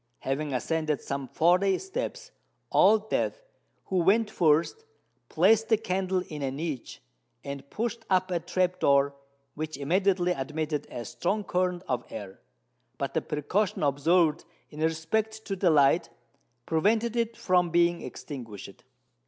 Having ascended some forty steps, Old Death, who went first, placed the candle in a niche, and pushed up a trap door, which immediately admitted a strong current of air: but the precaution observed in respect to the light, prevented it from being extinguished.